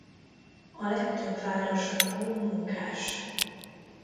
A legtöbb városlakó munkás.